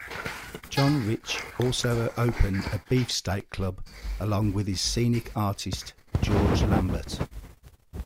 John Rich also opened a Beefsteak Club along with his scenic artist, George Lambert.